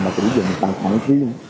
mà sử dụng tài khoản riêng